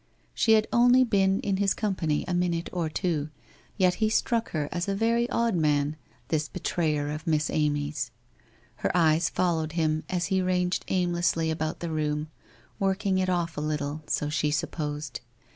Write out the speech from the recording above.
She had only been in his company a minute or two, yet he struck her as a very odd man, this betrayer of Miss Amy's ! Her eyes followed him as he ranged aimlessly about the room, working it off a little, so she supposed.